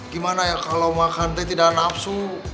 gimana ya kalau makan teh tidak nafsu